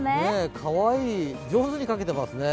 かわいい、上手に描けてますね。